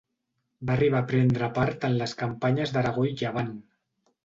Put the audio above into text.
Va arribar a prendre part en les campanyes d'Aragó i Llevant.